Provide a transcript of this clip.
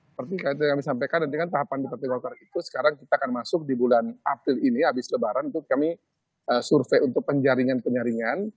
seperti yang kami sampaikan dan dengan tahapan di partai golkar itu sekarang kita akan masuk di bulan april ini habis lebaran itu kami survei untuk penjaringan penyaringan